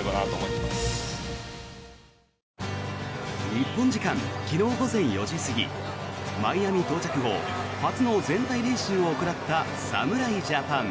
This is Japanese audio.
日本時間昨日午前４時過ぎマイアミ到着後初の全体練習を行った侍ジャパン。